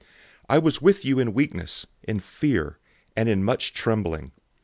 002:003 I was with you in weakness, in fear, and in much trembling.